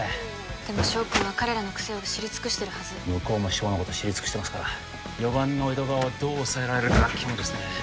でも翔くんは彼らのクセを知り尽くしてるはず向こうも翔のこと知り尽くしてますから４番の江戸川をどう抑えられるかが肝ですね